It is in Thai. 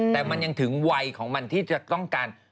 แต่มันยังถึงวัยของมันที่จะต้องการ